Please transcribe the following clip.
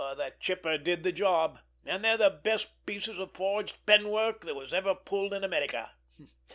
The Chipper did the job, and they're the best pieces of forged penwork that were ever pulled in America!